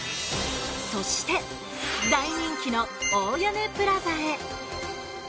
そして大人気の大屋根プラザへ。